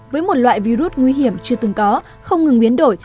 với một loại virus nguy hiểm chưa từng có không ngừng biến đổi